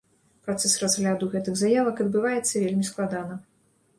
Працэс разгляду гэтых заявак адбываецца вельмі складана.